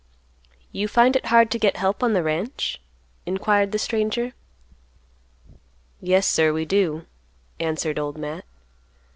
"You find it hard to get help on the ranch?" inquired the stranger. "Yes, sir, we do," answered Old Matt.